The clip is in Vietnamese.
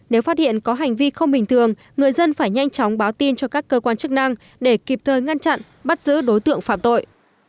nếu phát hiện có hành vi không bình thường người dân phải nhanh chóng báo tin cho các cơ quan chức năng để kịp thời ngăn chặn bắt giữ đối tượng phạm tội